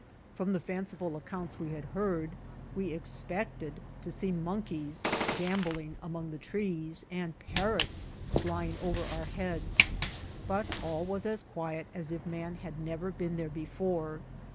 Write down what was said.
From the fanciful acoounts we had heard, we expected to see monkeys gambolling among the trees, and parrots flying over our heads ; but all was as Vol. I.— E 94 INCIDBNTS OF TRAVEL. quiet as if man had never been there before.